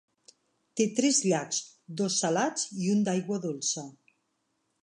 Té tres llacs, dos salats i un d'aigua dolça.